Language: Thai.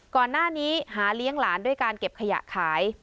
ก่อนหน้านี้หาเลี้ยงหลานด้วยการเก็บขยะขาย